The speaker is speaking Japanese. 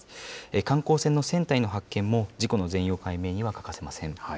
観光船の船体の発見も、事故の全容解明には欠かせません。